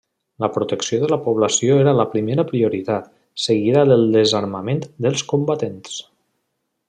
La protecció de la població era la primera prioritat, seguida del desarmament dels combatents.